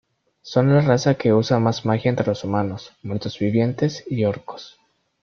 Son la raza que usa más magia entre los humanos, muertos vivientes y orcos.